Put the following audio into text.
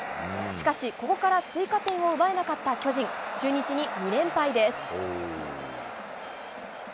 しかしここから追加点を奪えなかった巨人、中日に２連敗です。